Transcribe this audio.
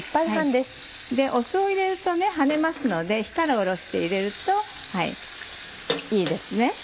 酢を入れると跳ねますので火から下ろして入れるといいですね。